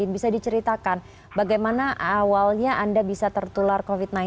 bisa diceritakan bagaimana awalnya anda bisa tertular covid sembilan belas